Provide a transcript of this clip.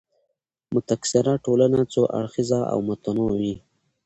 متکثره ټولنه څو اړخیزه او متنوع وي.